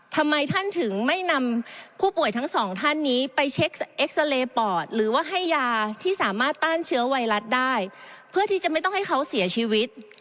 ทำไมท่านถึงไม่นำผู้ป่วยทั้งสองท่านนี้ไปเช็คเอ็กซาเรย์ปอดหรือว่าให้ยาที่สามารถต้านเชื้อไวรัสได้เพื่อที่จะไม่ต้องให้เขาเสียชีวิต